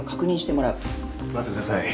待ってください。